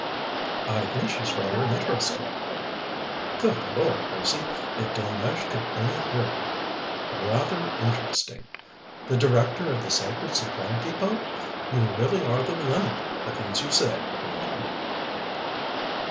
"I think she's rather interesting." "Good Lord, Gracie! if Delmege could only hear you! Rather interesting! The Director of the Sacred Supply Depôt! You really are the limit, the things you say, you know."